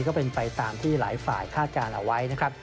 ก็เป็นไปตามที่หลายฝ่ายคาดการณ์เอาไว้นะครับ